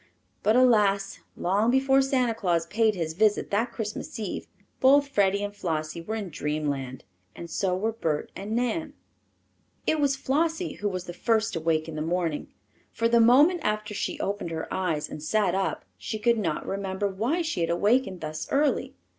But alas! long before Santa Claus paid his visit that Christmas Eve both Freddie and Flossie were in dreamland, and so were Bert and Nan. It was Flossie who was the first awake in the morning. For the moment after she opened her eyes and sat up she could not remember why she had awakened thus early.